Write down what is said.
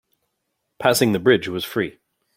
Passing the bridge was free.